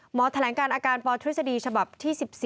หมอแถลงการอาการปธศภีรษฐีฉบับที่๑๔